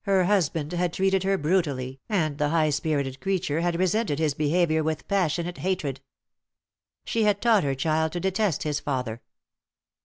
Her husband had treated her brutally, and the high spirited creature had resented his behaviour with passionate hatred. She had taught her child to detest his father.